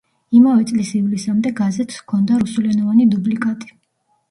იმავე წლის ივლისამდე გაზეთს ჰქონდა რუსულენოვანი დუბლიკატი.